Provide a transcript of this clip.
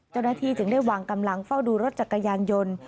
เจ้าหน้าที่จึงได้วางกำลังเฝ้าดูรถจักรยานยนต์